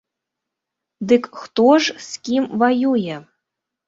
Дык хто ж з кім ваюе?